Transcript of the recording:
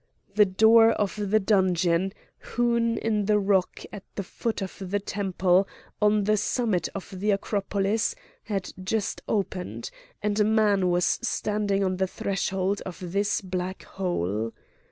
The door of the dungeon, hewn in the rock at the foot of the temple, on the summit of the Acropolis, had just opened; and a man was standing on the threshold of this black hole.